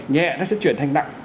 nhẹ nó sẽ chuyển thành nặng